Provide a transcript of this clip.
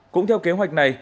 cũng theo kế hoạch này